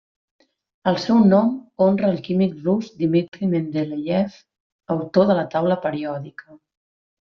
El seu nom honra al químic rus Dmitri Mendeléiev, autor de la taula periòdica.